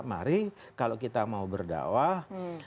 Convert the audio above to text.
mari kalau kita mau berdakwah